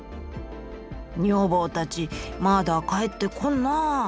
「女房たちまだ帰ってこんなぁ」。